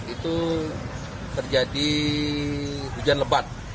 itu terjadi hujan lebat